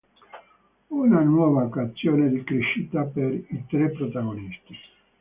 Una nuova occasione di crescita per i tre protagonisti.